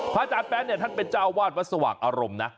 อาจารย์แป๊นเนี่ยท่านเป็นเจ้าวาดวัดสว่างอารมณ์นะ